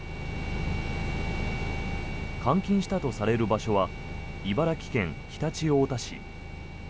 監禁したとされる場所は茨城県常陸太田市。